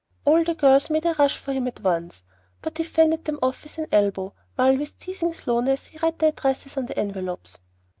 All the girls made a rush for him at once; but he fended them off with an elbow, while with teasing slowness he read the addresses on the envelopes.